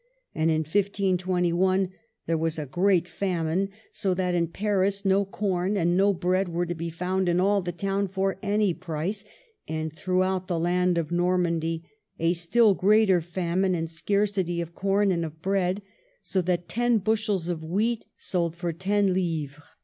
.. and in 1 5 2 1 there was a great famine, so that in Paris no corn and no bread were to be found in all the town for any price ; and throughout the land of Normandy a still greater famine and scarcity of corn and of bread, so that ten bushels of wheat sold for ten livres.